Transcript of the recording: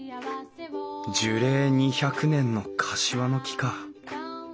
樹齢２００年のカシワの木か。